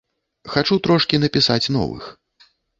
Хачу трошкі напісаць новых.